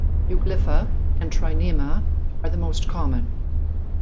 "Euglypha" and "Trinema" are the most common.